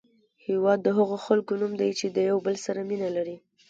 هېواد د هغو خلکو نوم دی چې یو بل سره مینه لري.